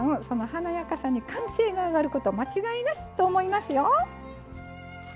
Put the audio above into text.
その華やかさに歓声が上がること間違いなしと思いますよ。